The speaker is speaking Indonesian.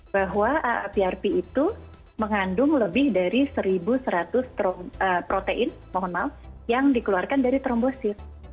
bahwa prp itu mengandung lebih dari satu seratus protein mohon maaf yang dikeluarkan dari trombosit